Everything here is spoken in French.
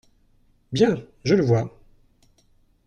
Bien ! je le vois…